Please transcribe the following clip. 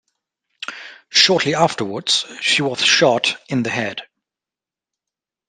Shortly afterwards, she was shot in the head.